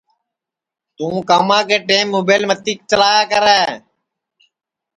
توں کاما کے ٹیم مُبیل متی چلایا کرے